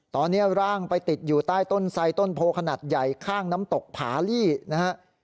ตอนนี้ร่างไปติดอยู่ใต้ต้นไซต้นโพขนาดใหญ่ข้างน้ำตกผาลี่นะฮะ